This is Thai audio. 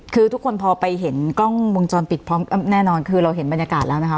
คือทุกคนพอไปเห็นกล้องวงจรปิดพร้อมแน่นอนคือเราเห็นบรรยากาศแล้วนะคะ